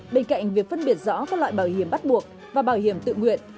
bên cạnh việc phân biệt rõ các loại bảo hiểm bắt buộc và bảo hiểm tự nguyện